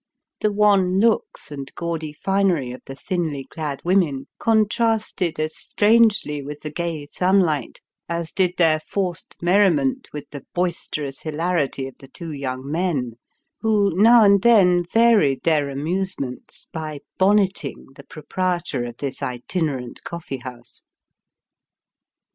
The wan looks, and gaudy finery of the thinly clad women contrasted as strangely with the gay sunlight, as did their forced merriment with the boisterous hilarity of the two young men, who, now and then, varied their amusements by " bonnet ing " the proprietor of this itinerant coffee house.